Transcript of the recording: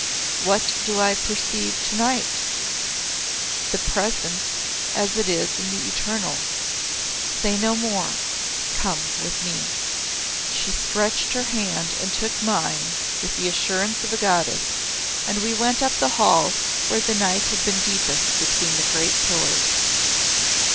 "What do I perceive tonight?" "The Present as it is in the Eternal. Say no more. Come with me." She stretched her hand and took mine with the assurance of a goddess, and we went up the hall where the night had been deepest between the great pillars.